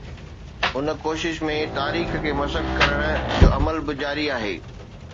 ان ڪوشش ۾ تاريخ کي مسخ ڪرڻ جو عمل به جاري آهي.